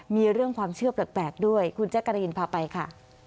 มีเรื่องความเชื่อแปลกด้วยคุณแจ๊กกะรีนพาไปค่ะ